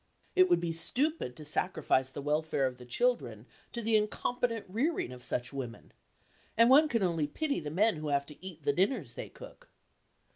It would be stupid to sacrifice the welfare of the children to the incompetent rearing of such women, and one can only pity the men who have to eat the dinners they cook.